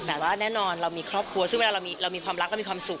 แน่นอนเรามีครอบครัวซึ่งเวลาเรามีความรักเรามีความสุข